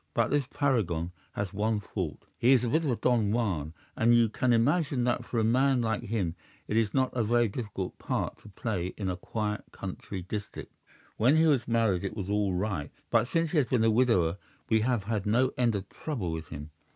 "'But this paragon has one fault. He is a bit of a Don Juan, and you can imagine that for a man like him it is not a very difficult part to play in a quiet country district. When he was married it was all right, but since he has been a widower we have had no end of trouble with him.